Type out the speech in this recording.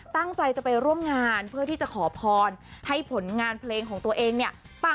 ตั้งใจจะไปร่วมงานเพื่อที่จะขอพรให้ผลงานเพลงของตัวเองเนี่ย